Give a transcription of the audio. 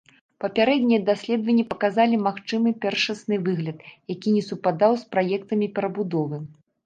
Папярэднія даследаванні паказалі магчымы першасны выгляд, які не супадаў з праектамі перабудовы.